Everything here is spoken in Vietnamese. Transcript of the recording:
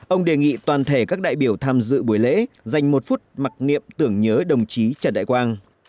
ông đề nghị toàn thể các đại biểu tham dự buổi lễ dành một phút mặc niệm tưởng nhớ đồng chí trần đại quang